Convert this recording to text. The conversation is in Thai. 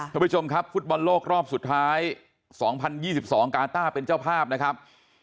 ท่านผู้ชมครับฟุตบอลโลกรอบสุดท้าย๒๐๒๒กาต้าเป็นเจ้าภาพนะครับ